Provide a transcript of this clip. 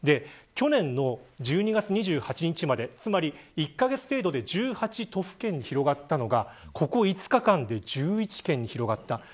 去年の１２月２８日まで１カ月程度で１８都府県に広がったのがここ５日間で１１県に広がった。